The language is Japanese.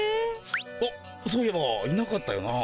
あっそういえばいなかったよな。